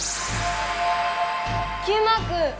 Ｑマーク！